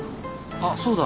あっそうだ。